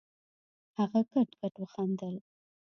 هغه کټ کټ وخندل.